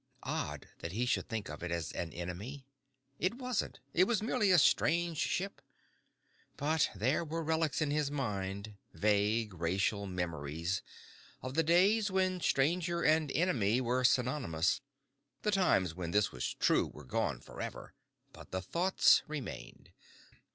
Odd that he should think of it as an enemy. It wasn't. It was merely a strange ship. But there were relics in his mind, vague racial memories, of the days when stranger and enemy were synonymous. The times when this was true were gone forever, but the thoughts remained.